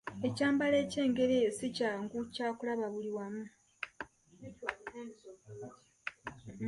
Ekyambalo eky'engeri eyo si kyangu kyakulaba buli wamu.